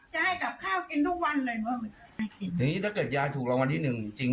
จะให้กับข้าวกินทุกวันเลยนี่ถ้าเกิดยายถูกรวรรณที่หนึ่งจริง